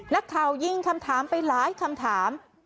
นักข่าวยิงคำถามไปหลายคำถาม